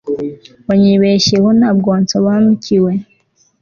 wanyibeshyeho ntabwo wansobanukiwe